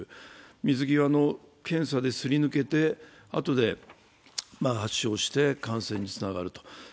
水際の検査ですり抜けてあとで発症して感染につながると。